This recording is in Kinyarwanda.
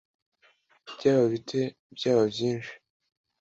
byaba bike, byaba byinshi